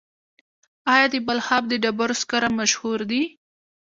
آیا د بلخاب د ډبرو سکاره مشهور دي؟